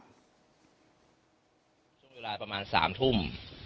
ช่วงเวลาประมาณ๓ทุ่ม